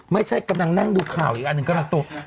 ไม่ใช่กำลังนั่งดูข่าวอีกอันหนึ่งกำลังตัว